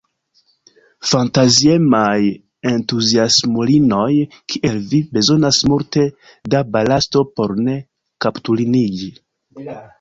Fantaziemaj entuziasmulinoj, kiel vi, bezonas multe da balasto por ne kapturniĝi.